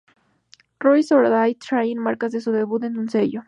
Rise or Die Trying marcas de su debut en un sello.